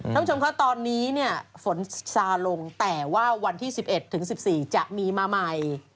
คุณผู้ชมค่ะตอนนี้เนี่ยฝนซาลงแต่ว่าวันที่๑๑ถึง๑๔จะมีมาใหม่